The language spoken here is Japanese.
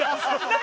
何？